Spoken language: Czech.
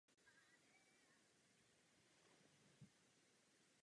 Spustila se zde třetí parní turbína.